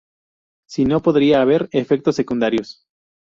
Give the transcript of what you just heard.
Si no, podría haber "efectos secundarios".